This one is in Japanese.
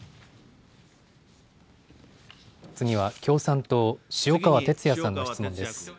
次は共産党、塩川鉄也さんの質問です。